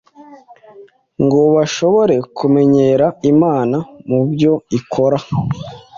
ngo bashobore kumenyera Imana mu byo ikora.